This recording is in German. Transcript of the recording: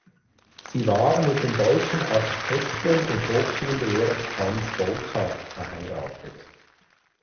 Sie war mit dem deutschen Architekten und Hochschullehrer Hans Volkart verheiratet.